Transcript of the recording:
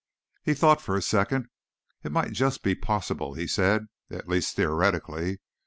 He thought for a second. "It might just be possible," he said. "At least theoretically.